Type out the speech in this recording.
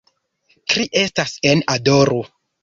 Tri estas en "Adoru".